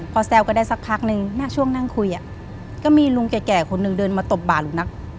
พอแซวกันได้สักพักนึงณช่วงนั่งคุยก็มีลุงแก่คนหนึ่งเดินมาตบบ่าหนูนัก